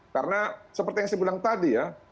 karena seperti yang saya bilang tadi ya